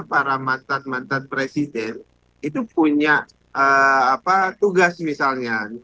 para mantan mantan presiden itu punya tugas misalnya